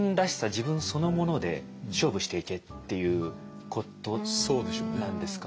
自分そのもので勝負していけっていうことなんですか？